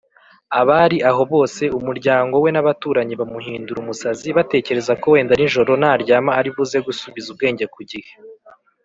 abari aho bose, umuryango we n’abaturanyi bamuhindura umusazi batekereza ko wenda nijoro naryama ari buze gusubiza ubwenge kugihe